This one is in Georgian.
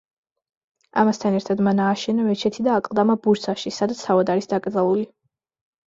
ამასთან ერთად მან ააშენა მეჩეთი და აკლდამა ბურსაში, სადაც თავად არის დაკრძალული.